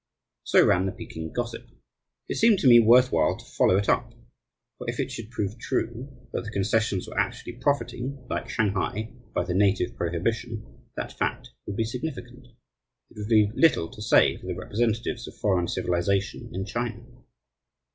So ran the Peking gossip. It seemed to me worth while to follow it up; for if it should prove true that the concessions were actually profiting, like Shanghai, by the native prohibition, that fact would be significant. It would leave little to say for the representatives of foreign civilization in China.